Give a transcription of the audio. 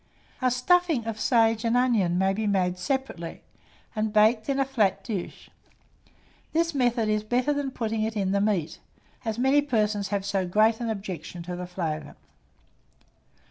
A stuffing of sage and onion may be made separately, and baked in a flat dish: this method is better than putting it in the meat, as many persons have so great an objection to the flavour.